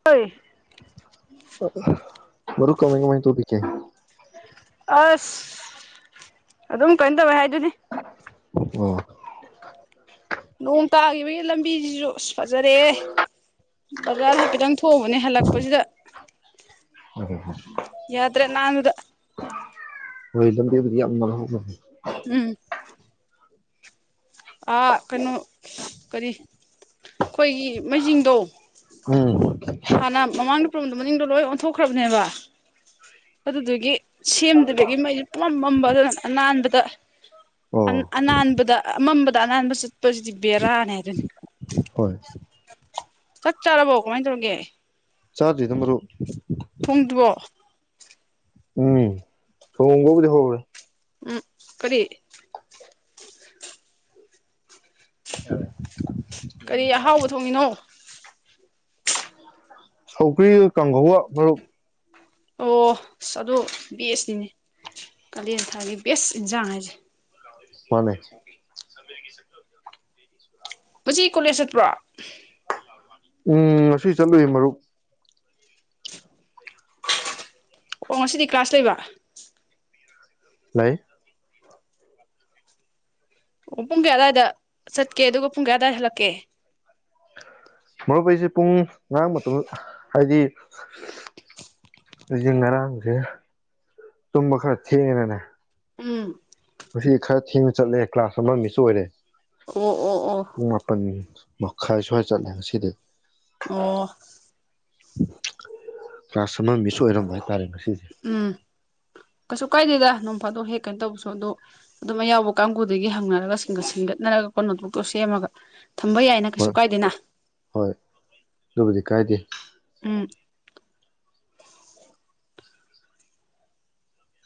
ꯑ ꯃꯔꯨ ꯀꯃꯥꯏ ꯀꯃꯥꯏ ꯇꯨ ꯄ ꯀꯦ ꯑꯁ ꯑꯗꯨꯝ ꯀꯩꯅꯣ ꯇꯧꯋꯦ ꯍꯥꯏꯗꯨꯅꯦ ꯑꯣ ꯅꯣꯡ ꯇꯥꯈꯤꯕꯒꯤ ꯂꯝꯕꯤꯁꯤꯁꯨ ꯑꯁ ꯐꯖꯔꯦ ꯕꯖꯥꯔ ꯍꯥꯏꯐꯦꯠꯇꯪ ꯊꯣꯡꯕꯅꯦ ꯍꯜꯂꯛꯄꯁꯤꯗ ꯌꯥ꯭ꯔꯦ ꯅꯥꯟꯗ ꯍꯗꯂꯝꯗꯤꯗꯤ ꯌꯥꯝ ꯃ ꯎꯝ ꯀꯩꯅꯣ ꯀꯔꯤ ꯑꯩꯈꯣꯏꯒꯤ ꯃꯩꯁꯤꯡꯤꯡꯗꯣ ꯎꯝ ꯍꯥꯟꯅ ꯃꯃꯥꯡꯗ ꯄꯔꯝꯗ ꯃꯅꯤꯡꯗꯣ ꯂꯣꯏ ꯑꯣꯟꯊꯣꯛꯈ꯭ꯔꯕꯅꯦꯕ ꯑꯗꯨꯗꯨꯒꯤ ꯁꯦꯝꯗ꯭ꯕꯒꯤ ꯃꯩꯁ ꯄꯂꯝ ꯃꯝꯕ ꯑꯗꯨꯅ ꯑꯅꯥꯟꯕꯗ ꯑꯣ ꯑꯅꯥꯟꯕꯗ ꯑꯃꯝꯕꯗ ꯑꯅꯥꯟꯕ ꯆꯠꯄꯁꯤꯗꯤ ꯕꯦꯔꯥꯅꯦ ꯍꯥꯏꯗꯨꯅꯤ ꯍꯣꯏ ꯆꯥꯛ ꯆꯥꯔꯕꯣ ꯀꯃꯥꯏꯅ ꯇꯧꯔꯒꯦ ꯆꯥꯖꯗꯝꯕꯔꯣ ꯊꯣꯡꯗ꯭ꯔꯤꯕꯣ ꯎꯝ ꯊꯣꯡꯕꯕꯗꯤ ꯍꯔ ꯎꯝ ꯀꯔꯤ ꯀꯔꯤ ꯑꯍꯥꯎꯕ ꯊꯣꯡꯏꯅꯣ ꯁꯧꯀ꯭ꯔꯤ ꯀꯥꯡꯍꯧꯒ ꯃꯔꯨꯞ ꯑꯣꯁ ꯑꯗꯨ ꯕꯦꯁꯅꯤꯅꯦ ꯀꯥꯂꯦꯟ ꯊꯥꯒꯤ ꯕꯦꯁ ꯏꯟꯁꯥꯡ ꯍꯥꯏꯁꯦ ꯃꯥꯅꯦ ꯃꯁꯤ ꯀꯣꯂꯦꯖ ꯆꯠꯄ꯭ꯔꯣ ꯎꯝ ꯉꯁꯤ ꯆꯠꯂꯨꯏ ꯃꯔꯨꯞ ꯑꯣ ꯉꯁꯤꯗꯤ ꯀ꯭ꯂꯥꯁ ꯂꯩꯕ ꯂꯩ ꯑꯣ ꯄꯨꯡ ꯀꯌꯥ ꯑꯗꯨꯋꯥꯏꯗ ꯆꯠꯀꯦ ꯑꯗꯨꯒ ꯄꯨꯡ ꯀꯌꯥ ꯑꯗꯨꯋꯥꯏꯗ ꯍꯜꯂꯛꯀꯦ ꯃꯔꯨꯞꯑꯩꯁꯦ ꯄꯨꯡ ꯉꯔꯥꯡ ꯃꯇꯨꯡꯗ ꯍꯥꯏꯗꯤ ꯑꯩꯖꯦ ꯉꯔꯥꯡꯖꯦ ꯇꯨꯝꯕ ꯈꯔ ꯊꯦꯡꯉꯦꯅꯅꯦ ꯎꯝ ꯉꯁꯤ ꯈꯔ ꯊꯦꯡꯅ ꯆꯠꯂꯦ ꯀ꯭ꯂꯥꯁ ꯑꯃ ꯃꯤꯁ ꯑꯣꯏꯔꯦ ꯑꯣ ꯑꯣ ꯑꯣ ꯃꯨꯡ ꯃꯄꯟ ꯃꯈꯥꯏ ꯁ꯭ꯋꯥꯏ ꯆꯠꯂꯦ ꯉꯁꯤꯗꯤ ꯑꯣ [inaudible] ꯃꯤꯁ ꯑꯣꯏꯔꯝꯕ ꯍꯥꯏꯇꯥꯔꯦ ꯉꯁꯤꯁꯦ ꯎꯝ ꯀꯩꯁꯨ ꯀꯥꯏꯗꯦꯗ ꯅꯣꯡꯐꯥꯗꯣ ꯍꯦꯛ ꯀꯩꯅꯣ ꯇꯧꯕꯁꯨ ꯑꯗꯣ ꯑꯗꯨꯝ ꯑꯌꯥꯎꯕ ꯀꯥꯡꯕꯨꯗꯒꯤ ꯍꯪꯅꯔꯒꯒꯠ ꯁꯤꯡꯒꯠꯅꯔꯒ ꯀꯣ ꯅꯣꯠꯚꯨꯛꯇꯣ ꯁꯦꯝꯃꯒ ꯊꯝꯕ ꯌꯥꯏꯅ ꯀꯩꯁꯨ ꯍꯣꯏ ꯀꯥꯏꯗꯦꯅ ꯍꯣꯏ ꯑꯗꯨꯕꯨꯗꯤ ꯀꯥꯏꯗꯦ [inaudible]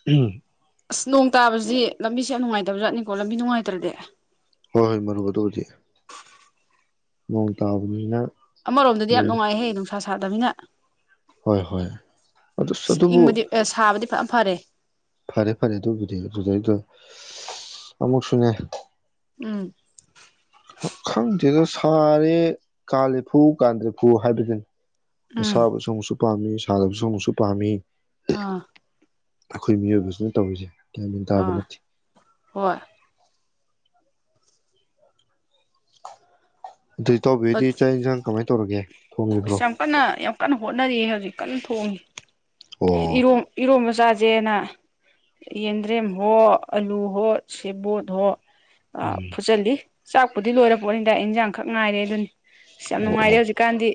ꯎꯝ ꯑꯁ ꯅꯣꯡ ꯇꯥꯕꯁꯤ ꯂꯝꯕꯤꯁꯦ ꯌꯥꯝ ꯅꯨꯡꯉꯥꯏꯇꯕꯖꯠꯅꯤꯀꯣ ꯂꯝꯕꯤ ꯅꯨꯡꯉꯥꯏꯇ꯭ꯔꯗꯤ ꯍꯣꯏ ꯍꯣꯏ ꯃꯔꯨꯨꯞ ꯑꯗꯨꯕꯨꯗꯤ ꯅꯣꯡ ꯇꯥꯕꯅꯤꯅ ꯑꯃꯔꯣꯝꯗꯗꯤ ꯌꯥꯝ ꯂꯣꯏ ꯅꯨꯡꯉꯥꯏ ꯍꯦ ꯑꯥ ꯁꯥꯗꯃꯤꯅ ꯍꯣꯏ ꯍꯣꯏ ꯑꯗꯨ ꯑꯗꯨꯕꯨ ꯏꯪꯕꯗꯤ ꯑꯦ ꯁꯥꯕꯗꯤ ꯐꯖꯅ ꯐꯔꯦ ꯐꯔꯦ ꯐꯔꯦ ꯑꯗꯨꯕꯨꯗꯤ ꯑꯗꯨꯗꯩꯗꯣ ꯑꯃꯨꯛꯁꯨꯅꯦ ꯎꯝ ꯈꯪꯗꯦꯗꯣ ꯁꯥꯔꯦ ꯀꯥꯜꯂꯩꯐꯨ ꯀꯥꯟꯗꯔꯦꯐꯨ ꯍꯥꯏꯕꯗꯨꯅꯤ ꯎꯝ ꯑꯁꯥꯕꯁꯨ ꯑꯃꯨꯛꯁꯨ ꯄꯥꯝꯃꯤ ꯁꯥꯟꯗꯕꯁꯨ ꯑꯃꯨꯛꯁꯨ ꯄꯥꯝꯃꯤ ꯑꯥ ꯑꯩꯈꯣꯏ ꯃꯤꯑꯣꯏꯕꯕꯁꯤꯅ ꯇꯧꯔꯤꯁꯦ ꯀꯌꯥꯃꯤ ꯇꯥꯕ ꯑꯥ ꯅꯠꯇꯦ ꯍꯣꯏ [inaudible] ꯑꯗꯨꯏ ꯏꯇꯧꯕꯤꯗꯤ ꯆꯥꯛ ꯑꯁ ꯌꯦꯟꯁꯥꯡ ꯀꯃꯥꯏꯅ ꯇꯧꯔꯒꯦ ꯊꯣꯡꯉꯕ꯭ꯔꯣ ꯌꯥꯝ ꯀꯟꯅ ꯌꯥꯝ ꯀꯟꯅ ꯍꯣꯠꯅꯔꯤ ꯍꯧꯖꯤꯛ ꯀꯟꯅ ꯊꯣꯡꯉꯤ ꯏꯔꯣꯝ ꯏꯔꯣꯝꯕ ꯆ ꯆꯖꯦꯅ ꯌꯦꯟꯗ꯭ꯔꯦꯝ ꯍꯣ ꯑꯂꯨ ꯍꯣꯠ ꯁꯦꯕꯣꯠ ꯍꯣꯠ ꯑ ꯎꯝ ꯐꯆ ꯆꯥꯛꯄꯨꯗꯤ ꯂꯣꯏꯔꯛꯄꯣꯅꯤꯗ ꯏꯟꯖꯥꯡꯈꯛ ꯉꯥꯏꯔꯦ [inaudible] ꯑꯁ ꯌꯥꯝ ꯑꯣ ꯅꯨꯡꯉꯥꯏꯔꯦ ꯑꯣ ꯍꯧꯖꯤꯛꯀꯥꯟꯗꯤ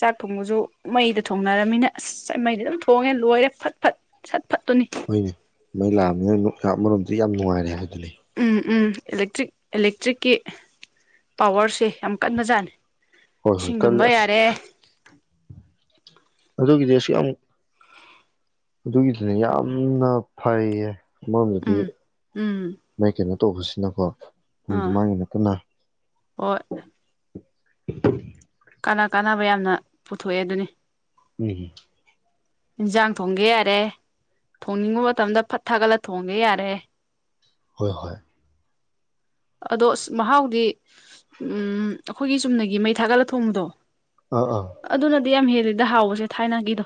ꯆꯥꯛ ꯊꯣꯡꯕꯁꯨ ꯃꯩꯗ ꯊꯣꯡꯅꯔꯃꯤꯅ ꯑꯁ ꯃꯩꯗ ꯑꯗꯨꯝ ꯊꯣꯡꯉꯦ ꯂꯣꯏꯔꯦ ꯐꯠ ꯐꯠ ꯁꯠ ꯐꯠꯇꯨꯅꯤ ꯍꯣꯏꯅꯦ ꯃꯩ ꯂꯥꯛꯑꯕꯅꯤꯅ ꯑꯃꯔꯣꯝꯗꯤ ꯌꯥꯝ ꯅꯨꯡꯉꯥꯏꯔꯦ ꯍꯥꯏꯗꯤ ꯎꯝ ꯎꯝ ꯂꯦꯛꯇ꯭ꯔꯤꯛ ꯑꯦꯂꯦꯛꯇ꯭ꯔꯤꯛꯀꯤ ꯄꯋꯥꯔꯁꯦ ꯌꯥꯝ ꯀꯟꯕꯖꯥꯠꯅꯤ ꯍꯣꯏ ꯍꯣꯏ ꯏꯁꯤꯡ ꯀꯜꯂꯦ ꯂꯨꯝꯕ ꯑꯁ ꯌꯥꯔꯦ ꯑꯗꯨꯒꯤꯗꯤꯁꯨ ꯌꯥꯝꯨꯛ ꯑꯗꯨꯒꯤꯗꯨꯅꯦ ꯌꯥꯝꯅ ꯐꯩꯌꯦ ꯃꯝꯗꯗꯤ ꯎꯝ ꯎꯝ ꯃꯥꯏ ꯀꯩꯅꯩꯅꯣ ꯇꯧꯕꯁꯤꯅꯀꯣ ꯄꯨꯝꯗꯤ ꯑꯥ ꯃꯥꯡꯒꯤꯅꯠꯇꯟꯅ [inaudible] ꯍꯣꯏ ꯀꯥꯅ ꯀꯥꯟꯅꯕ ꯌꯥꯝꯅ ꯄꯨꯊꯣꯛꯑꯦ ꯑꯗꯨꯅꯤ ꯎꯝ ꯏꯟꯁꯥꯡ ꯊꯣꯡꯒꯦ ꯌꯥꯔꯦ ꯊꯣꯡꯅꯤꯡꯕ ꯃꯇꯝꯗ ꯐꯠ ꯊꯥꯒꯠꯂ ꯊꯣꯡꯒꯦ ꯌꯥꯔꯦ ꯍꯣꯏ ꯍꯣꯏ ꯑꯗꯣ ꯑꯁ ꯃꯍꯥꯎꯗꯤ ꯎ ꯑꯩꯈꯣꯏꯒꯤ ꯆꯨꯝꯅꯒꯤ ꯃꯩ ꯊꯥꯒꯠꯂ ꯊꯣꯡꯕꯗꯣ ꯑꯗꯨ ꯑꯥ ꯑꯥ ꯑꯗꯨꯅꯗꯤ ꯌꯥꯝ ꯌꯥꯝ ꯍꯦꯗꯤ ꯗꯗ ꯍꯥꯎꯕꯁꯦ ꯊꯥꯏꯅꯒꯤꯗꯣ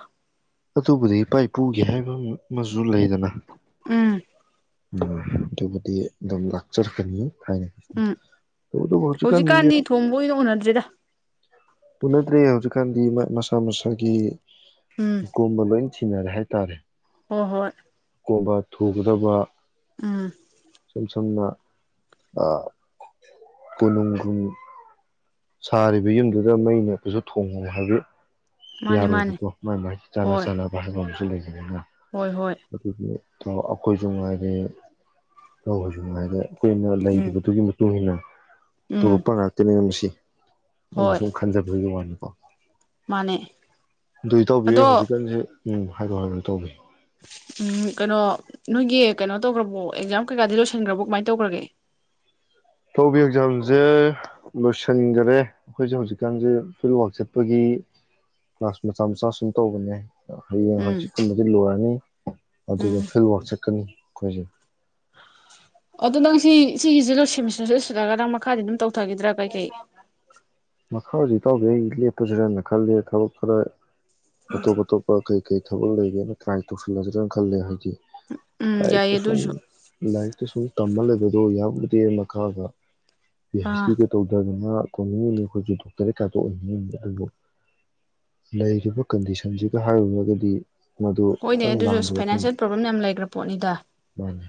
ꯑꯗꯨꯕꯨꯗꯤ ꯏꯄꯥ ꯏꯄꯨꯒꯦ ꯍꯥꯏꯕ ꯑꯃꯁꯨ ꯂꯩꯗꯅ ꯎꯝ ꯎ ꯗꯤ ꯑꯗꯨꯝ ꯂꯥꯛꯆꯔꯛꯀꯅꯤ ꯊꯥꯏꯅ ꯎꯝ ꯑꯗꯨꯕꯨ ꯍꯧꯖꯤꯛꯀꯥꯟ ꯍꯧꯖꯤꯛꯀꯥꯟꯗꯤ ꯃꯤꯑꯣꯏ ꯊꯣꯡꯕ ꯑꯣꯏꯅ ꯎꯅꯗ꯭ꯔꯤꯗ ꯎꯅꯗ꯭ꯔꯦ ꯍꯧꯖꯤꯛꯀꯥꯟꯗꯤ ꯃꯁꯥ ꯃꯁꯥꯒꯤ ꯎꯝ ꯍꯀꯨꯨꯝ ꯊꯟꯅꯔꯦ ꯍꯥꯏꯇꯥꯔꯦ ꯍꯣꯏ ꯍꯣꯏ ꯀꯣꯕ ꯊꯨꯒꯗꯕ ꯎꯝ ꯁꯨꯝ ꯁꯨꯝꯃ ꯀꯂꯨꯨꯝꯒꯨꯝ ꯁꯥꯔꯤꯕ ꯌꯨꯝꯗꯨꯗ ꯃꯩ ꯅꯦꯛꯄꯁꯨ ꯊꯣꯡꯉꯨ ꯍꯥꯏꯕ ꯃꯥꯅꯤ ꯃꯥꯅꯤ ꯌꯥꯔꯣꯏꯕꯀꯣ ꯃꯥꯏ ꯃꯥꯏ ꯆꯥꯅ ꯆꯥꯅꯕ ꯍꯥꯏꯕ ꯑꯃ ꯑꯩ ꯂꯩꯁꯤ ꯅꯪꯒ ꯍꯣꯏ-ꯍꯣꯏ ꯑꯣ ꯑꯩꯈꯣꯏꯁꯨ ꯉꯥꯏꯔꯦ ꯅꯈꯣꯏꯁꯨ ꯉꯥꯏꯔꯦ ꯑꯩꯈꯣꯏꯅ ꯎꯝ ꯂꯩꯔꯤꯕꯗꯨꯒꯤ ꯃꯇꯨꯡ ꯏꯟꯅ ꯎꯝ ꯇꯂꯛꯄ ꯉꯥꯛꯇꯅꯤꯝ ꯃꯁꯤ ꯑꯩꯅ ꯍꯣꯏ ꯁꯨꯝ ꯈꯟꯖꯕꯩ ꯋꯥꯅꯤ ꯃꯥꯅꯦ ꯑꯗꯣ ꯏꯇꯥꯎꯕꯤ ꯍꯧꯖꯤꯀꯥꯟꯁꯦ ꯎꯝ ꯍꯥꯏꯌꯣ ꯍꯥꯏꯌꯣ ꯏꯇꯥꯎꯕꯤ ꯎꯝ ꯀꯩꯅꯣ ꯅꯣꯏꯒꯤ ꯀꯩꯅꯣ ꯇꯧꯈ꯭ꯔꯕꯣ ꯑꯦꯛꯖꯥꯝ ꯀꯩꯀꯥꯗꯤ ꯂꯣꯏꯁꯤꯟꯈ꯭ꯔꯕꯣ ꯀꯃꯥꯏ ꯇꯧꯒ꯭ꯔꯒꯦ ꯏꯇꯥꯎꯕꯤ ꯑꯦꯛꯖꯥꯝꯁꯦ ꯂꯣꯏꯁꯤꯟꯒ꯭ꯔꯦ ꯑꯩꯈꯣꯏꯁꯦ ꯍꯧꯖꯤꯛꯀꯥꯟꯁꯦ ꯐꯤꯜ ꯋꯔꯥꯛ ꯆꯠꯄꯒꯤ ꯀ꯭ꯂꯥꯁ ꯃꯆꯥ ꯃꯆꯥ ꯁꯨꯝ ꯇꯧꯕꯅꯤ ꯍꯌꯦꯡ ꯎꯝ ꯍꯪꯆꯤꯠꯀꯨꯝꯕꯗꯤ ꯂꯣꯏꯔꯅꯤ ꯑꯗꯨꯒ ꯎꯝ ꯐꯤꯜꯋꯥꯔꯛ ꯆꯠꯀꯅꯤ ꯈꯣꯏꯖꯤ ꯑꯗꯣ ꯅꯪꯁꯤ ꯁꯤꯒꯤꯁꯤ ꯂꯣꯏꯁꯃꯤꯁꯔ ꯂꯣꯏꯁꯤꯜꯂꯒ ꯅꯪ ꯃꯈꯥꯗꯤ ꯑꯗꯨꯝ ꯇꯧꯊꯈꯤꯗ꯭ꯔꯥ ꯀꯩ ꯀꯩ ꯃꯈꯥ ꯍꯧꯖꯤꯛ ꯏꯇꯥꯎꯗꯦ ꯑꯩ ꯂꯦꯞꯄꯁꯤ꯭ꯔꯦꯅ ꯈꯜꯂꯦ ꯊꯕꯛ ꯈꯔ ꯑꯇꯣꯞ ꯑꯇꯣꯞꯄ ꯀꯩ ꯀꯩ ꯊꯕꯛ ꯂꯩꯒꯦꯅ ꯇ꯭ꯔꯥꯏ ꯇꯧꯁꯤꯜꯂꯗ꯭ꯔꯦꯅ ꯈꯜꯂꯦ ꯍꯥꯏꯗꯤ‌ ꯎꯝ ꯂꯥꯏꯔꯤꯛ ꯇ ꯌꯥꯏꯌꯦ ꯁꯨꯝ ꯑꯗꯨꯁꯨ ꯂꯥꯏꯔꯤꯛ ꯇ ꯁꯨꯝ ꯇꯝꯃ ꯂꯩ [inaudible] ꯌꯥꯎꯗꯦ ꯃꯈꯥꯗ ꯄꯤ ꯍꯩꯏꯁ ꯗꯤ ꯑꯥ ꯒ ꯇꯧꯗꯗꯅ [inaudible] ꯑꯩꯈꯣꯏꯁꯨ ꯗꯣꯛꯇꯔꯦꯠ ꯀꯥꯏꯇꯣ ꯑꯣꯏꯅꯤꯡꯉꯝꯃꯤ ꯑꯗꯨꯕꯨ ꯂꯩꯔꯤꯕ ꯀꯟꯗꯤꯁꯟꯁꯤꯒ ꯍꯥꯏꯔꯨꯔꯒꯗꯤ ꯃꯗꯨ ꯍꯣꯏꯅꯦ ꯈꯤꯇꯪ ꯑꯗꯨꯁꯨ ꯂꯥꯡꯕꯗ ꯑꯩꯈꯣꯏꯅ ꯐꯥꯏꯅꯥꯟꯁꯤꯌꯦꯜ ꯄ꯭ꯔꯣꯕ꯭ꯂꯦꯝ ꯌꯥꯝ ꯂꯩꯒ꯭ꯔꯥ ꯄꯣꯠꯅꯤꯗ ꯃꯥꯅꯤ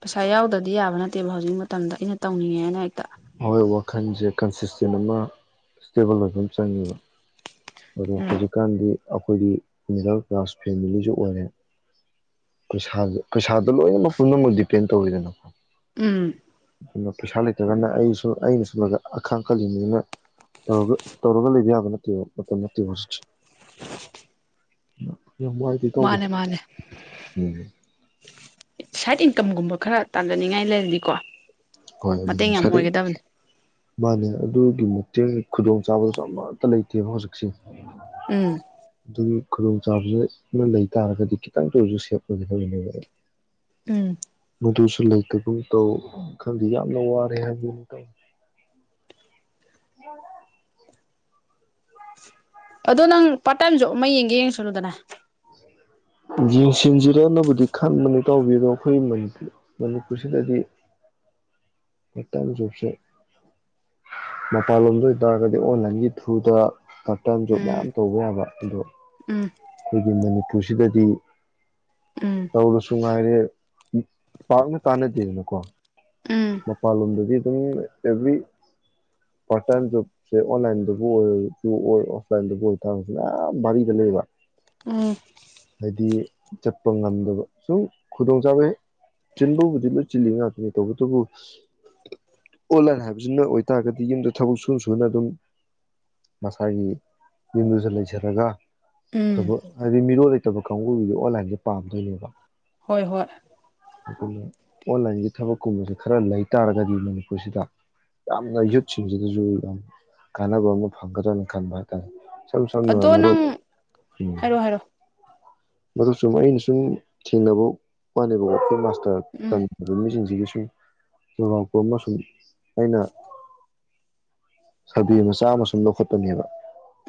ꯄꯩꯁꯥ ꯌꯥꯎꯗꯗꯤ ꯌꯥꯕ ꯅꯠ ꯇꯦꯕ ꯍꯧꯖꯤꯛ ꯃꯇꯝꯗ ꯑꯩꯅ ꯇꯧꯅꯤꯡꯉꯦꯅ ꯍꯦꯛꯇ [unintelligible] ꯋꯥꯈꯟꯁꯦ ꯀꯟꯁꯤꯁꯇꯦꯟ ꯑꯃ ꯁ꯭ꯇꯦꯕꯜ ꯑꯣꯏꯕ ꯑꯃ ꯆꯪꯉꯦꯕ ꯑꯗꯣ ꯎꯝ ꯍꯧꯖꯤꯛꯀꯥꯟꯗꯤ ꯑꯩꯈꯣꯏꯒꯤ ꯃꯤꯗꯜ ꯀ꯭ꯂꯥꯁ ꯐꯦꯃꯤꯂꯤꯁꯨ ꯑꯣꯏꯔꯦ ꯄꯩꯁꯥꯗ ꯄꯩꯁꯥꯗꯣ ꯂꯣꯏꯅꯃꯛ ꯄꯨꯝꯅꯃꯛ ꯗꯤꯄꯦꯟ ꯇꯧꯋꯤꯗꯅ ꯎꯝ ꯑꯃ ꯄꯩꯁꯥ ꯂꯩ ꯅꯠꯇ꯭ꯔꯒꯅ ꯑꯩꯁꯨ ꯑꯩꯅ ꯁꯨꯝ ꯑꯈꯥꯡ ꯀꯜꯂꯤꯅꯤꯅ ꯇꯧꯔꯒ- ꯇꯧꯔꯒ ꯂꯩꯕ ꯌꯥꯕ ꯅꯠꯇꯦꯕ ꯃꯇꯝ ꯅꯠꯇꯦꯕ ꯍꯧꯖꯤꯛꯁꯦ [unintelligible] [inaudible] ꯌꯦꯡꯕ ꯍꯥꯏꯗꯤ ꯏꯇꯥꯎꯕꯤ ꯃꯥꯅꯦ ꯃꯥꯅꯦ ꯎꯝ ꯁꯥꯏꯠ ꯏꯟꯀꯝꯒꯨꯝꯕ ꯈꯔ ꯇꯥꯟꯖꯟꯅꯤꯡꯉꯥꯏ ꯂꯩꯔꯗꯤꯀꯣ ꯍꯣꯏ ꯑꯗꯨꯅꯤ ꯃꯇꯦꯡ ꯌꯥꯝ ꯁꯥꯏꯠ ꯑꯣꯏꯒꯗꯕꯅꯦ [inaudible] ꯃꯥꯟꯅꯦ ꯑꯗꯨꯒꯤ ꯃꯇꯦꯡ ꯈꯨꯗꯣꯡ ꯆꯥꯕꯁꯨ ꯑꯃꯠꯇ ꯂꯩꯇꯦꯕ ꯍꯧꯖꯤꯛꯁꯦ ꯎꯝ ꯈꯨꯗꯣꯡ ꯆꯥꯕ ꯑꯃ ꯂꯩ ꯇꯥꯔꯒꯗꯤ ꯈꯤꯇꯪꯇ ꯑꯣꯏꯔꯁꯨ ꯁꯦꯞ ꯑꯣꯏꯒꯦ ꯍꯥꯏꯕꯅꯦꯕ ꯎꯝ ꯗꯨꯁꯨ ꯂꯩꯇꯒꯨꯝ ꯇꯧ ꯈꯪꯗꯦ ꯌꯥꯝꯅ ꯋꯥꯔꯦ ꯍꯥꯏꯗꯤ [inaudible] [inaudible] ꯑꯗꯣ ꯅꯪ ꯄꯥꯔꯠ ꯇꯥꯏꯝ ꯖꯣꯕ ꯑꯃ ꯌꯦꯡꯒꯦ ꯌꯦꯡꯁꯜꯂꯨꯗꯅ ꯌꯦꯡꯁꯤꯟꯁꯤꯔꯥꯅꯕꯨꯗꯤ ꯈꯟꯕꯅꯤ ꯏꯇꯥꯎꯕꯤ ꯑꯗꯣ ꯑꯩꯈꯣꯏ ꯃꯅꯤꯄꯨꯔ ꯃꯅꯤꯄꯨꯔ ꯁꯤꯗꯗꯤ ꯄꯥꯔꯠ ꯇꯥꯏꯝ ꯖꯣꯕꯁꯦ ꯃꯄꯥꯟꯂꯣꯝꯗ ꯑꯣꯏ ꯇꯔꯒꯗꯤ ꯑꯣꯟꯂꯥꯏꯟꯒꯤ ꯊ꯭ꯔꯨꯗ ꯄꯥꯔꯠ ꯇꯥꯏꯝ ꯖꯣꯕ ꯎꯝ ꯃꯌꯥꯝ ꯇꯧꯕ ꯌꯥꯕ ꯑꯗꯣ ꯎꯝ ꯑꯩꯈꯣꯏꯒꯤ ꯃꯅꯤꯄꯨꯔꯁꯤꯗꯗꯤ ꯎꯝ ꯇꯧꯔꯁꯨ ꯉꯥꯏꯔꯦ ꯄꯥꯛꯅ ꯀꯥꯟꯅꯗꯦꯗꯅꯀꯣ ꯎꯝ ꯃꯄꯥꯟꯂꯣꯝꯗꯗꯤ ꯑꯗꯨꯝ ꯑꯦꯚ꯭ꯔꯤ ꯄꯥꯔꯠ ꯇꯥꯏꯝ ꯖꯣꯕꯁꯦ ꯑꯣꯟꯂꯥꯏꯟꯗꯕꯨ ꯑꯣꯏꯔꯁꯨ ꯑꯣꯐꯂꯥꯏꯟꯗꯕꯨ ꯑꯣꯏꯔ ꯇꯥꯔꯁꯨ ꯃꯌꯥꯝ ꯚꯔꯤꯗ ꯂꯩꯕ ꯎ ꯍꯥꯏꯗꯤ ꯆꯠꯄ ꯉꯝꯗꯕ ꯁꯨꯝ ꯈꯨꯗꯣꯡ ꯆꯥꯕ ꯍꯦꯛ ꯆꯤꯟꯕꯕꯨꯗꯤ ꯂꯣꯏ ꯆꯤꯜꯂꯤ ꯉꯥꯛꯇꯅꯤ ꯇꯧꯕꯇꯕꯨ ꯑꯣꯟꯂꯥꯏꯟ ꯍꯥꯏꯕꯁꯤꯅ ꯑꯣꯏꯇꯥꯔꯒꯗꯤ ꯌꯨꯝꯗ ꯊꯕꯛ ꯁꯨꯅ ꯁꯨꯅ ꯑꯗꯨꯝ ꯃꯁꯥꯒꯤ ꯌꯨꯝꯗꯨꯗ ꯂꯩꯖꯔꯒ ꯎꯝ ꯊꯕꯛ ꯍꯥꯏꯕꯗꯤ ꯃꯤꯔꯣꯜ ꯂꯩꯇꯕ ꯀꯥꯡꯕꯨꯒꯤꯗꯤ ꯑꯣꯟꯂꯥꯏꯟꯁꯦ ꯄꯥꯝꯗꯣꯏꯅꯦꯕ ꯍꯣꯏ ꯍꯣꯏ ꯑꯣꯟꯂꯥꯏꯟꯒꯤ ꯊꯕꯛ ꯀꯨꯝꯁ ꯈꯔ ꯂꯩ ꯇꯥꯔꯒꯗꯤ ꯃꯅꯤꯄꯨꯔꯁꯤꯗ ꯌꯥꯝꯅ ꯌꯨꯠꯁꯤꯡꯁꯤꯗꯁꯨ ꯌꯥꯝ ꯀꯥꯟꯅꯕ ꯑꯃ ꯐꯪꯒꯗ꯭ꯔꯅ ꯈꯟꯕ ꯍꯥꯏꯇꯥꯔꯦ ꯁ ꯁꯅ ꯑꯗꯣ ꯃꯔꯔ ꯅꯪ ꯍꯥꯏꯔꯣ ꯍꯥꯏꯔꯣ ꯃ ꯁꯨꯝ ꯑꯩꯟꯁꯨꯝ ꯊꯦꯡꯅꯕꯕꯨ ꯄꯅꯤꯕ ꯑꯣꯠꯈꯦ ꯇ ꯎꯝ ꯇꯝꯖꯕ ꯃꯤꯁꯤꯡꯁꯤꯒꯤꯁꯨ ꯌꯣꯡꯉꯥꯛꯄ ꯑꯃꯁꯨꯡ ꯑꯩꯅ ꯁꯕꯤ ꯃꯆꯥ ꯑꯃ ꯁꯨꯝ ꯂꯧꯈꯠꯄꯅꯦꯕ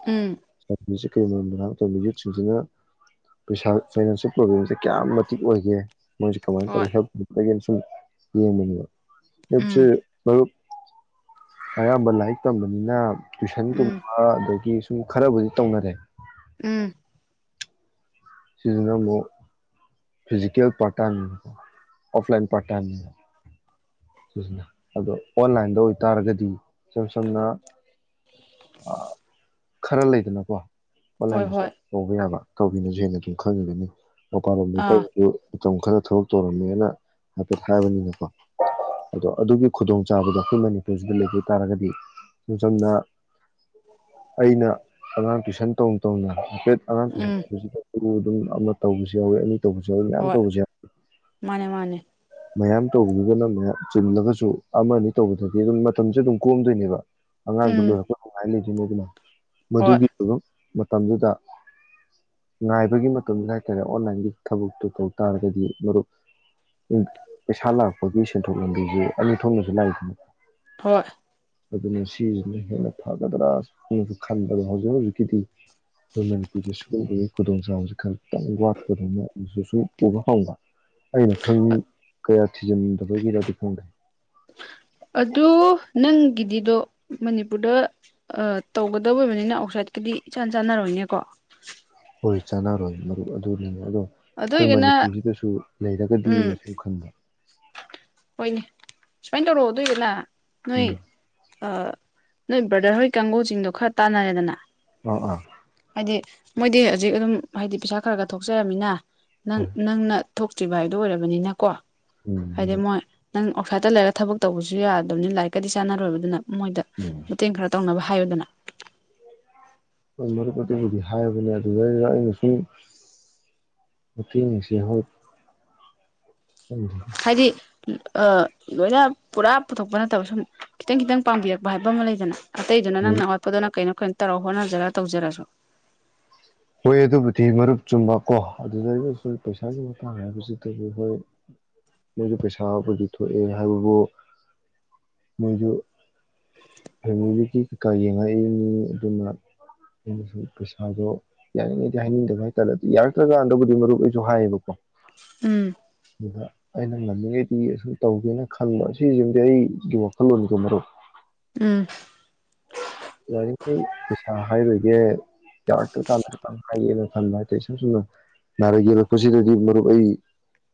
ꯎꯝ ꯀꯔꯤ ꯃꯔ ꯃꯔꯥꯡ ꯇꯧꯔꯤꯕ ꯌꯨꯠꯁꯤꯡꯁꯤꯅ ꯄꯩꯁꯥ ꯐꯥꯏꯅꯥꯟꯁꯤꯌꯦꯜ ꯄ꯭ꯔꯣꯕ꯭ꯂꯦꯝꯁꯦ ꯀꯌꯥꯝ ꯃꯇꯤꯛ ꯑꯣꯏꯒꯦ ꯃ ꯀꯃꯥꯏ ꯍꯣꯏ ꯌꯦꯡꯕꯅꯤꯕ ꯎꯝ ꯑꯦꯁ ꯑꯌꯥꯝꯕ ꯂꯥꯏꯛ ꯇꯝꯕꯅꯤꯅ ꯇꯨꯏꯁꯟꯒꯨꯝꯕ ꯎꯝ ꯑꯗꯒꯤ ꯁꯨꯝ ꯈꯔꯕꯨꯗꯤ ꯇꯧꯅꯔꯦ ꯎꯝ ꯁꯤꯁꯤꯅ ꯑꯃꯨꯛ ꯐꯤꯖꯤꯀꯦꯜ ꯄꯥꯔ ꯇꯅꯤ ꯑꯣꯐꯂꯥꯏꯟ ꯄꯥꯔ ꯇꯅꯤ ꯁꯤꯁꯤꯅ ꯑꯗꯣ ꯑꯣꯟꯂꯥꯏꯟꯗ ꯑꯣꯏꯇꯥꯔꯒꯗꯤ ꯁꯦꯝꯁꯝꯅ ꯈꯔ ꯂꯩꯗꯅꯀꯣ ꯍꯣꯏ ꯑꯣꯟꯂꯥꯏꯟꯗꯁꯨ ꯍꯣꯏ ꯇꯧꯕ ꯌꯥꯕ ꯇꯧꯕꯤꯅꯁꯨ ꯍꯦꯟꯅ ꯑꯗꯨꯝ ꯈꯪꯉꯒꯅꯤ ꯑꯣ ꯀꯥꯟ ꯀ ꯑꯥ ꯃꯇꯝ ꯈꯔ ꯊꯕꯛ ꯇꯧꯔꯝꯃꯦꯅ ꯍꯥꯏꯐꯦꯠ ꯍꯥꯏꯕꯅꯤꯅꯀꯣ ꯑꯗꯣ ꯑꯗꯨꯒꯤ ꯈꯨꯗꯣꯡꯆꯥꯥꯕꯗꯣ ꯑꯩꯈꯣꯏ ꯃꯅꯤꯄꯨꯔꯁꯤꯗ ꯂꯩꯕ ꯇꯥꯔꯒꯗꯤ ꯁꯝ ꯁꯝꯅ ꯑꯩꯅ ꯑꯉꯥꯡ ꯇꯨꯏꯁꯟ ꯇꯧꯅ ꯇꯧꯅ ꯍꯥꯏꯐꯦꯠ ꯎꯝ ꯑꯥꯡꯁꯤꯁꯤꯗ ꯑꯗꯨ ꯑꯗꯨꯝ ꯑꯃ ꯇꯧꯕꯁꯨ ꯌꯥꯎꯋꯤ ꯑꯅꯤ ꯇꯧꯕꯁꯨ ꯌꯥꯎꯋꯤ ꯃꯌꯥꯝ ꯍꯣꯏ ꯇꯧꯕꯁꯨ ꯌꯥꯎ ꯃꯥꯅꯦ ꯃꯥꯅꯦ ꯃꯌꯥꯝ ꯇꯧꯕꯤꯒꯅ ꯃꯌꯥꯝ ꯆꯤꯂꯒꯁꯨ ꯑꯃꯅꯤ ꯑꯅꯤ ꯇꯧꯕꯗꯗꯤ ꯑꯗꯨꯝ ꯃꯇꯝꯁꯦ ꯑꯗꯨꯝ ꯀꯣꯝꯗꯣꯏꯅꯦꯕ ꯑꯉꯥꯡꯗꯣ ꯎꯝ ꯂꯣꯏꯔꯛꯄ ꯅꯨꯡꯉꯥꯏꯅ ꯂꯩꯗꯣꯏꯅꯦ ꯑꯗꯨꯅ ꯍꯣꯏ ꯃꯗꯨꯒꯤ ꯃꯇꯝꯗꯨꯗ ꯉꯥꯏꯕꯒꯤ ꯃꯇꯝꯗꯨ ꯍꯥꯏꯇꯥꯔꯦ ꯑꯣꯟꯂꯥꯏꯟꯒꯤ ꯊꯕꯛꯇꯨ ꯇꯧ ꯇꯥꯔꯒꯗꯤ ꯃꯔꯨꯞ ꯄꯩꯁꯥ ꯂꯥꯛꯄꯒꯤ ꯁꯦꯟꯊꯣꯛ ꯂꯝꯕꯤꯁꯦ ꯑꯅꯤ ꯊꯣꯛꯅꯁꯨ ꯂꯥꯛꯏꯗꯅꯤ ꯍꯣꯏ ꯑꯗꯨꯅ ꯁꯤꯁꯤꯅ ꯍꯦꯟꯅ ꯐꯒꯗ꯭ꯔꯥꯅꯁꯨ ꯈꯟꯕꯗ ꯍꯧꯖꯤꯛ ꯍꯧꯖꯤꯛꯀꯤꯗꯤ ꯑꯩꯈꯣꯏ ꯃꯅꯤꯄꯨꯔꯁꯦ ꯁꯤꯒꯨꯕꯒꯤ ꯈꯨꯗꯣꯡ ꯆꯥꯕꯕꯁꯤꯦ ꯈ ꯇꯪ ꯋꯥꯠꯄꯗꯨꯅ ꯑꯗꯨ ꯁꯨꯝ ꯎꯕ ꯐꯪꯕ ꯑꯩꯅ ꯈꯪ ꯀꯌꯥꯁꯤꯖꯃꯟꯗ ꯀꯩ ꯀꯗꯗꯤ ꯐ ꯀ ꯑꯗꯨ ꯅꯪꯒꯤꯗꯤꯗꯣ ꯃꯅꯤꯄꯨꯔꯗ ꯇꯧꯒꯗꯕ ꯑꯣꯏꯕꯅꯤꯅ ꯑꯥꯎꯠꯁꯥꯏꯠꯀꯗꯤ ꯏꯆꯥꯟ ꯆꯥꯟꯅꯔꯣꯏꯅꯦꯀꯣ ꯍꯣꯏ ꯆꯥꯟꯅꯔꯣꯏ ꯃꯔꯨꯞ ꯑꯗꯨꯅꯤ ꯑꯗꯣ ꯑꯗꯨ ꯑꯩꯈꯣꯏ ꯑꯣꯏꯒꯅ ꯃꯅꯤꯄꯨꯔꯁꯤꯗꯁꯨ ꯎꯝ ꯂꯩꯔꯒꯗꯤꯅ ꯁꯨꯝ ꯈꯟꯕ ꯍꯣꯏꯅꯦ ꯁꯨꯃꯥꯏꯅ ꯇꯧꯔꯛꯑꯣ ꯑꯗꯨꯏꯗꯅ ꯅꯣꯏ ꯎꯝ ꯑ ꯅꯣꯏ ꯕ꯭ꯔꯗꯔ ꯍꯣꯏ ꯀꯥꯡꯒꯨꯁꯤꯡꯗꯣ ꯈꯔ ꯇꯥꯟꯅꯔꯦꯗꯅ ꯑꯥ ꯑꯥ ꯍꯥꯏꯗꯤ ꯃꯣꯏꯗꯤ ꯍꯧꯖꯤꯛ ꯑꯗꯨꯝ ꯍꯥꯏꯗꯤ ꯄꯩꯁꯥ ꯈꯔ ꯈꯔ ꯊꯣꯛꯆꯔꯝꯃꯤꯅ ꯅꯪ ꯍꯣꯏ ꯅꯪꯅ ꯊꯣꯛꯇ꯭ꯔꯤꯕ ꯍꯥꯏꯗꯣ ꯑꯣꯏꯔꯕꯅꯤꯅ ꯀꯣ ꯎꯝ ꯍꯥꯏꯗꯤ ꯃꯔꯨꯞ ꯃꯣꯏ ꯅꯪ ꯑꯥꯎꯠꯁꯥꯏꯗꯠꯇ ꯂꯩꯔꯒ ꯊꯕꯛ ꯇꯧꯕꯁꯨ ꯌꯥꯗꯕꯅꯤ ꯂꯥꯏꯔꯤꯛꯀꯗꯤ ꯆꯥꯟꯅꯔꯣꯏꯕꯗꯨꯅ ꯃꯣꯏꯗ ꯎꯝ ꯃꯇꯦꯡ ꯈꯔ ꯇꯧꯅꯕ ꯍꯥꯏꯣꯗꯅ ꯣꯏ ꯃꯔꯨꯞ ꯑꯗꯨꯕꯨꯗꯤ ꯍꯥꯏꯕꯅꯦ ꯑꯗꯨꯗꯩꯗ ꯑꯩꯅ ꯁꯨꯝ ꯃꯇꯦꯡꯉꯁꯤ ꯍꯣꯏ ꯍꯥꯏꯗꯤ ꯂꯣꯏꯅ ꯄꯨꯔꯥ ꯄꯨꯊꯣꯛꯄ ꯅꯠꯇꯕ ꯁꯨꯝ ꯈꯤꯇꯪ ꯈꯤꯇꯪ ꯄꯥꯡꯕꯤꯔꯛꯄ ꯍꯥꯏꯕ ꯑꯃ ꯂꯩꯗꯅ ꯑꯇꯩꯗꯨꯅ ꯅꯪ ꯅ ꯑꯋꯥꯠꯄꯗꯨꯅ ꯀꯩꯅꯣ ꯑꯩꯈꯣꯏꯅ ꯇꯔꯥꯎ ꯍꯣꯠꯅꯖꯔꯒ ꯇꯧꯖꯔꯁꯨ ꯍꯣꯏ ꯑꯗꯨꯕꯨꯗꯤ ꯃꯔꯨꯞ ꯆꯨꯝꯕ ꯀꯣ ꯑꯗꯨꯗꯩꯒꯁꯨ ꯄꯩꯁꯥꯒꯤ ꯃꯇꯥꯡ ꯍꯥꯏꯕꯁꯤꯗꯗꯤ ꯍꯣꯏ ꯃꯣꯏꯁꯨ ꯄꯩꯁꯥꯕꯨꯗꯤ ꯊꯣꯛꯑꯦ ꯍꯥꯏꯕꯕꯨ ꯃꯣꯏꯁꯨ ꯐꯦꯃ ꯀꯩꯀꯥ ꯌꯦꯡꯉꯛꯏꯅꯤ ꯑꯗꯨꯅ ꯑꯩꯅꯁꯨ ꯄꯩꯁꯥꯗꯣ ꯌꯥꯅꯤꯡꯉꯩꯗꯤ ꯍꯥꯏꯅꯤꯡꯗꯕ ꯍꯥꯏꯇꯥꯔꯦ ꯑꯗꯨ ꯌꯥꯔꯛꯇ꯭ꯔꯀꯥꯟꯗꯕꯨꯗꯤ ꯃꯔꯨꯞ ꯑꯣꯏꯁꯨ ꯍꯥꯏꯌꯦꯕꯀꯣ ꯎꯝ ꯑꯗꯨꯗ ꯑꯩꯅ ꯉꯝꯃꯤꯉꯩꯗꯤ ꯑꯁꯨ ꯇꯧꯒꯦꯅ ꯈꯟꯕ ꯁꯤꯁꯤꯃꯗꯤ ꯑꯩꯒꯤ ꯋꯥꯈꯜꯂꯣꯟꯒ ꯃꯔꯣ ꯎꯝ ꯌꯥꯔꯤꯉꯩ ꯄꯩꯁꯥ ꯍꯥꯏꯔꯣꯏꯒꯦ ꯌꯥꯔꯛꯇ꯭ꯔ ꯀꯥꯟꯗ ꯀ ꯍꯥꯏꯒꯦꯅ ꯈꯟꯕ ꯍꯥꯏꯇꯥꯔꯦ ꯏꯁꯝ ꯁꯨꯝꯅ ꯅꯥꯔꯛ ꯌꯦꯛꯂꯛꯄꯁꯤꯗꯗꯤ ꯃꯔꯨꯞ ꯑꯩ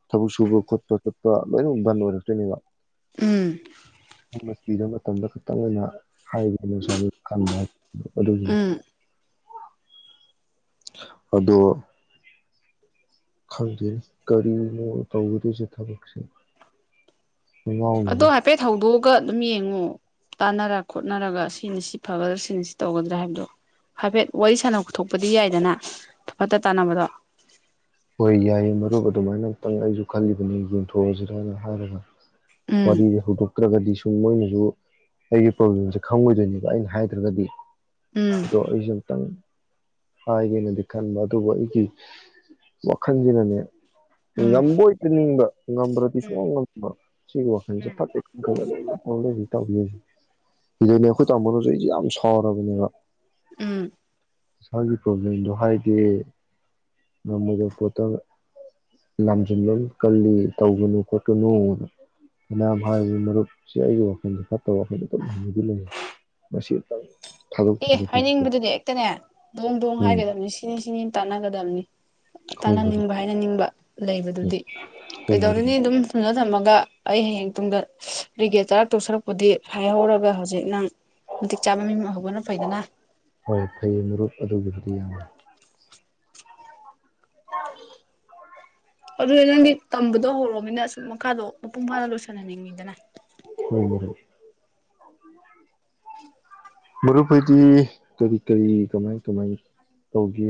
ꯊꯕꯛ ꯁꯨꯕ ꯈꯣꯠꯄ ꯆꯣꯠꯄ ꯂꯣꯏꯅꯃꯛ ꯕꯟ ꯑꯣꯏꯔꯛꯇꯣꯏꯅꯦꯕ ꯎꯝ ꯄꯤꯕ ꯃꯇꯝꯗ ꯈꯤꯇꯪ ꯑꯣꯏꯅ ꯍꯥꯏꯔꯤꯕ ꯅꯨꯡꯁꯥ ꯀ ꯎꯝ ꯑꯗꯣ ꯈꯪꯗꯦꯅꯤ ꯀꯔꯤꯅꯣ ꯇꯧꯒꯗꯣꯏꯁꯦ ꯊꯕꯛꯁꯦ ꯑꯗꯣ ꯉꯥꯎꯅꯔꯦ ꯍꯥꯏꯐꯦꯠ ꯊ ꯍꯧꯗꯣꯛ ꯑꯃꯛꯀ ꯑꯗꯨꯝ ꯌꯦꯡꯉꯨ ꯇꯥꯟꯅꯔ ꯈꯣꯠꯅꯔꯒ ꯁꯤꯅ ꯁꯤ ꯐꯒꯗ꯭ꯔꯥ ꯁꯤꯅ ꯁꯤ ꯇꯧꯒꯗ꯭ꯔꯥ ꯍꯥꯏꯕꯗꯣ ꯍꯥꯏꯐꯦꯠ ꯋꯥꯔꯤ ꯁꯥꯟꯅꯊꯣꯛꯄꯗꯤ ꯌꯥꯏꯗꯅ ꯑꯐꯠꯇ ꯇꯥꯟꯅꯕꯗꯣ ꯍꯣꯏ ꯌꯥꯏꯌꯦ ꯃꯔꯨꯞꯕ ꯑꯗꯨꯃꯥꯏꯅ ꯑꯃꯝꯛꯇꯪ ꯑꯩꯁꯨ ꯈꯜꯂꯤꯕꯅꯦ ꯌꯦꯡꯊꯣꯛꯑꯁꯤꯔꯅ ꯍꯥꯏꯔꯒ ꯃ ꯎꯝ ꯍꯗꯣꯛꯛꯇ꯭ꯔꯒ ꯁꯨꯝ ꯃꯣꯏꯅꯁꯨ ꯑꯩꯒꯤ ꯄ꯭ꯔꯣꯕ꯭ꯂꯦꯝꯁꯦ ꯈꯪꯉꯣꯏꯗꯣꯏꯅꯦꯕ ꯑꯩꯅ ꯍꯥꯏꯗ꯭ꯔꯒꯗꯤ ꯎꯝ ꯑꯗꯣ ꯑꯩꯁꯦ ꯑꯨꯇꯪ ꯍꯥꯏꯒꯦꯅꯗꯤ ꯈꯟꯕ ꯑꯗꯨꯕꯨ ꯑꯩꯒꯤ ꯋꯥꯈꯟꯁꯤꯅꯅꯦ ꯎꯝ ꯉꯝꯕꯣꯏꯇꯅꯤꯡꯕ ꯉꯝꯗ꯭ꯔꯗꯤ ꯁꯨꯡꯉꯥꯎ ꯎꯝ ꯉꯝꯕ ꯁꯤꯒꯤ ꯋꯥꯈꯜ ꯖꯦ ꯐꯠꯇꯦ ꯑꯣꯜꯔꯦꯗꯤ ꯇꯧꯕꯤꯔꯁ ꯁꯤꯗꯅꯦ ꯑꯩꯈꯣꯏ ꯇꯥꯃꯣꯅꯁꯨ ꯑꯩꯁꯦ ꯌꯥꯝ ꯁꯥꯎꯔꯕꯅꯦꯕ ꯎꯝ ꯏꯁꯥꯒꯤ ꯄ꯭ꯔꯣꯕ꯭ꯂꯦꯝꯗꯣ ꯍꯥꯏꯗꯦ ꯉꯝ ꯃꯣꯏꯗ ꯄꯣꯠꯇ ꯂꯝꯁꯤꯟꯕ ꯑꯃ ꯀꯜꯂꯤ ꯇꯧꯒꯅꯨ ꯈꯣꯠꯀꯅꯨ ꯐꯅꯥꯌꯝ ꯍꯥꯏꯔꯤꯕ ꯃꯔꯨꯞꯁꯦ ꯑꯩꯒꯤ ꯋꯥꯈꯜꯁꯦ ꯐꯠꯇꯕ ꯋꯥꯈꯜꯗ ꯑꯗꯨꯝ ꯍꯩꯅꯗꯨ ꯂꯩ ꯃꯁꯤꯇ ꯑꯦ ꯍꯥꯏꯅꯤꯡꯕꯗꯨꯗꯤ ꯍꯦꯛꯇꯅꯦ ꯗꯣꯡ - ꯗꯣꯡ ꯎꯝ ꯍꯥꯏꯒꯗꯕꯅꯤ ꯁꯤꯅꯤ- ꯁꯤꯅꯤ ꯇꯥꯟꯅꯒꯗꯕꯅꯤ꯫ ꯍꯣꯏ ꯃꯔꯨꯞ ꯇꯥꯟꯅꯟꯅꯤꯡꯕ ꯍꯥꯏꯅꯅꯤꯡꯕ [inaudible] ꯎꯝ ꯂꯩꯕꯗꯨꯗꯤ ꯍꯣꯏ ꯃꯔꯨꯞ ꯀꯩꯗꯧꯔꯨꯅꯤ ꯑꯗꯨꯝ ꯊꯝꯃꯒ ꯑꯩ ꯍꯌꯦꯡ ꯇꯨꯡꯗ ꯔꯤꯒꯦꯠ ꯆꯔꯥꯛ ꯇꯧꯁꯔꯨꯛꯄꯨꯗꯤ ꯍꯥꯏꯍꯧꯔꯒ ꯍꯧꯖꯤꯛ ꯅꯪ ꯃꯇꯤꯛ ꯆꯥꯕ ꯃꯤ ꯑꯃꯥ ꯑꯣꯏꯍꯧꯕꯅꯥ ꯐꯥꯏꯗꯅ ꯍꯣꯏ ꯐꯩꯌꯦ ꯃꯔꯨꯞ ꯑꯗꯨꯒꯤꯕꯨꯗꯤ [inaudible] ꯑꯗꯨ ꯅꯪꯗꯤ ꯇꯝꯕꯗꯣ ꯍꯧꯔꯣꯃꯤꯅ ꯑꯁꯨꯝ ꯃꯈꯥꯗꯣ ꯃꯄꯨꯡ ꯐꯥꯅ ꯂꯣꯏꯁꯤꯍꯅꯤꯡꯉꯤꯗꯅ ꯫ ꯍꯣꯏ ꯃꯔꯨꯞ ꯃꯔꯨꯞ ꯍꯣꯏꯗꯤ ꯀꯔꯤ- ꯀꯔꯤ ꯀꯃꯥꯏ ꯀꯃꯥꯏ ꯇꯧꯒꯦ!